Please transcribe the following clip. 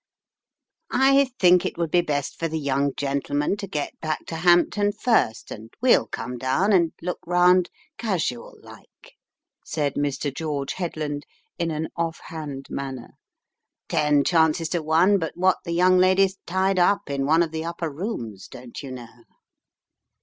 "I think it would be best for the young gentleman to get back to Hampton first, and we'll come down and look round casual like," said Mr. George Head land in an off hand manner. "Ten chances to one but wot the young lady's tied up in one of the upper rooms, don't you know."